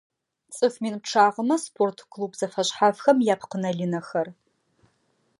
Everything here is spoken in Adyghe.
ЦӀыф мин пчъагъэмэ спорт клуб зэфэшъхьафхэм япкъынэ-лынэхэр.